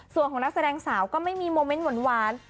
ส่วนของนักแสดงสาวก็ไม่มีโมเมนต์หวาน